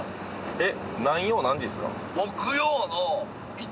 えっ？